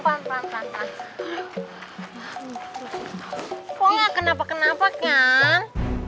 pokoknya kenapa kenapa kan